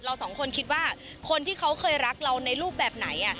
สองคนคิดว่าคนที่เขาเคยรักเราในรูปแบบไหน